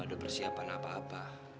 ada persiapan apa apa